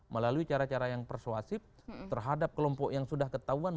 melalui cara cara yang persuasif terhadap kelompok yang sudah ketahuan